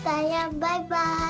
バイバイ！